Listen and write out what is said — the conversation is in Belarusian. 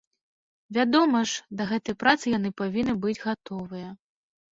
Вядома ж, да гэтай працы яны павінны быць гатовыя.